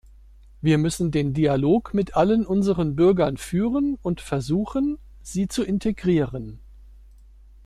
Wir müssen den Dialog mit allen unseren Bürgern führen und versuchen, sie zu integrieren.